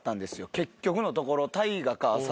結局のところ。